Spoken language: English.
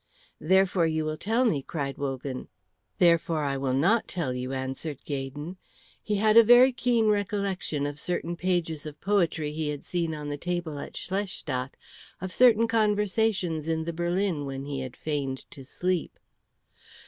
"Therefore you will tell me," cried Wogan. "Therefore I will not tell you," answered Gaydon. He had a very keen recollection of certain pages of poetry he had seen on the table at Schlestadt, of certain conversations in the berlin when he had feigned to sleep.